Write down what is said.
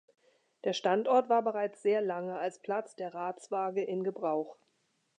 Der Standort war bereits sehr lange als Platz der Ratswaage in Gebrauch.